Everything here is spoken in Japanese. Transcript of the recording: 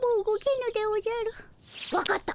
わかった。